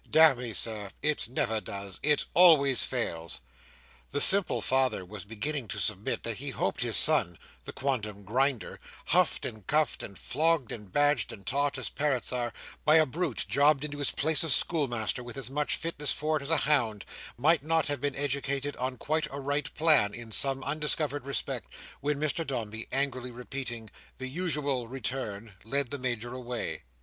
"Damme, Sir, it never does! It always fails!" The simple father was beginning to submit that he hoped his son, the quondam Grinder, huffed and cuffed, and flogged and badged, and taught, as parrots are, by a brute jobbed into his place of schoolmaster with as much fitness for it as a hound, might not have been educated on quite a right plan in some undiscovered respect, when Mr Dombey angrily repeating "The usual return!" led the Major away.